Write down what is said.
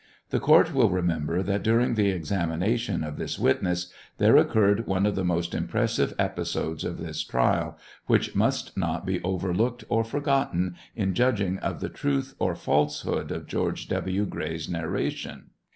The CQurt will remember that during the examination of this witness there occurred one of the most impressive episodes of this trial, which must not be overlooked or forgotten in judging of the truth or falsehood of George W. Gray's narration.